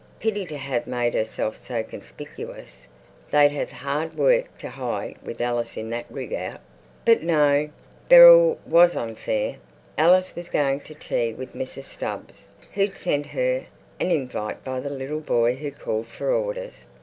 Pity to have made herself so conspicuous; they'd have hard work to hide with Alice in that rig out. But no, Beryl was unfair. Alice was going to tea with Mrs Stubbs, who'd sent her an "invite" by the little boy who called for orders.